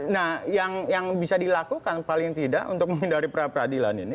nah yang bisa dilakukan paling tidak untuk menghindari pra peradilan ini